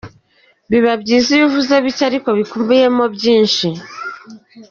Biba byiza iyo uvuze bike, ariko bikubiyemo byinshi.